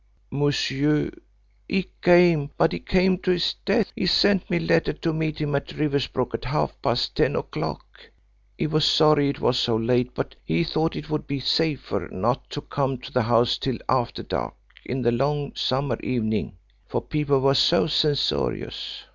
Monsieur, he came but he came to his death. He sent me a letter to meet him at Riversbrook at half past ten o'clock. He was sorry it was so late, but he thought it would be safer not to come to the house till after dark in the long summer evening, for people were so censorious.